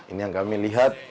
ini yang kami lihat